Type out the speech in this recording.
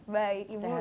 baik ibu sehat ya